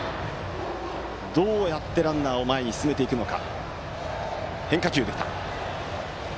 どうやってランナーを前に進めていくのか。